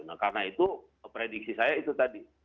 nah karena itu prediksi saya itu tadi